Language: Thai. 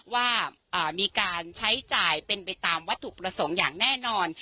ว่ามีการใช้จ่ายเป็นไปตามวัตถุประสงค์อย่างแน่นอน